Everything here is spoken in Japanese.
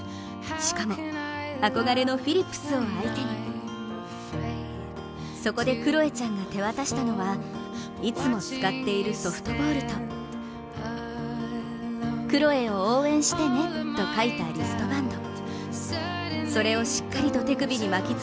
しかも憧れのフィリップスを相手にそこでクロエちゃんが手渡したのは、いつも使っているソフトボールとクロエを応援してねと書いたリストバンド